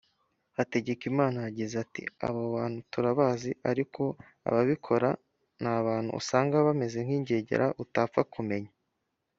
Hategekimana yagize ati “Abo bantu turabazi ariko ababikora ni abantu usanga bameze nk’ingegera utapfa kumenya